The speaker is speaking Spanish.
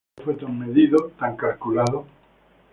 Todo fue tan medido, tan calculado.